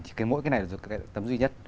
cái mỗi cái này là tấm duy nhất